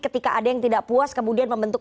ketika ada yang tidak puas kemudian membentuk